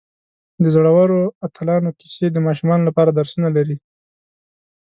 د زړورو اتلانو کیسې د ماشومانو لپاره درسونه لري.